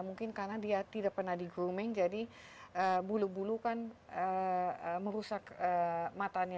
mungkin karena dia tidak pernah di grooming jadi bulu bulu kan merusak matanya